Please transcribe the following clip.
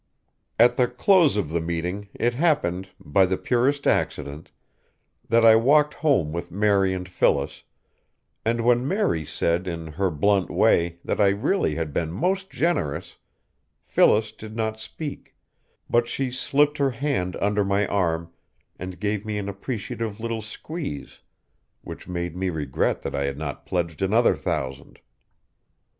At the close of the meeting it happened, by the purest accident, that I walked home with Mary and Phyllis, and when Mary said in her blunt way that I really had been most generous, Phyllis did not speak, but she slipped her hand under my arm and gave me an appreciative little squeeze, which made me regret that I had not pledged another thousand.